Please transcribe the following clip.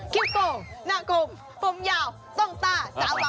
คิ้มโกหน้ากลมปมยาว